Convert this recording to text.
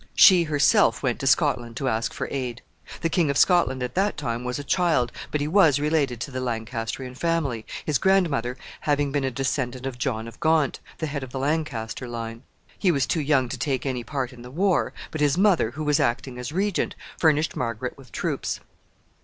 She herself went to Scotland to ask for aid. The King of Scotland at that time was a child, but he was related to the Lancastrian family, his grandmother having been a descendant of John of Gaunt, the head of the Lancaster line. He was too young to take any part in the war, but his mother, who was acting as regent, furnished Margaret with troops.